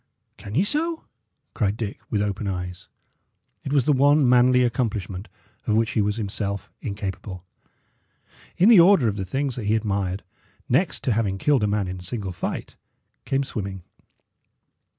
"Can ye so?" cried Dick, with open eyes. It was the one manly accomplishment of which he was himself incapable. In the order of the things that he admired, next to having killed a man in single fight came swimming.